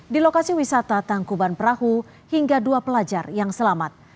di lokasi wisata tangkuban perahu hingga dua pelajar yang selamat